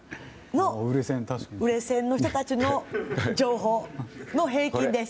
売れ線の人たちの情報の平均です。